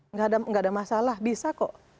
nggak ada masalah bisa kok